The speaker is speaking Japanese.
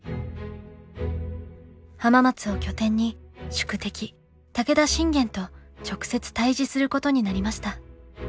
浜松を拠点に宿敵武田信玄と直接対じすることになりました。